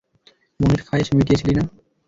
মনের খায়েশ মিটিয়েছিলি না?